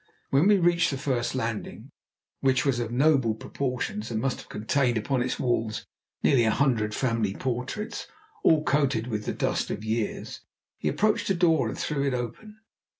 When we reached the first landing, which was of noble proportions and must have contained upon its walls nearly a hundred family portraits all coated with the dust of years, he approached a door and threw it open.